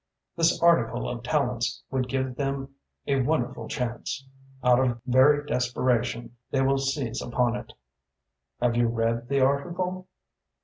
This article of Tallente's would give them a wonderful chance. Out of very desperation they will seize upon it." "Have you read the article?"